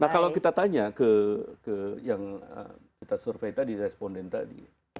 nah kalau kita tanya ke yang kita survei tadi responden tadi